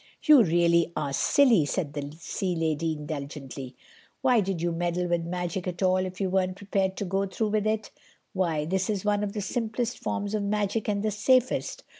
"You really are silly," said the sea lady indulgently. "Why did you meddle with magic at all if you weren't prepared to go through with it? Why, this is one of the simplest forms of magic, and the safest.